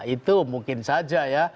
itu mungkin saja ya